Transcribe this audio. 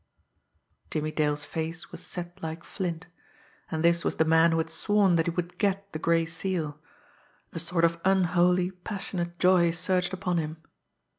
Jimmie Dale's face was set like flint. And this was the man who had sworn that he would "get" the Gray Seal! A sort of unholy, passionate joy surged upon him.